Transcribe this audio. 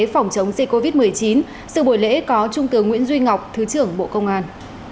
phòng chống dịch covid một mươi chín sự buổi lễ có trung tướng nguyễn duy ngọc thứ trưởng bộ công an